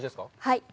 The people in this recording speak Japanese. はい。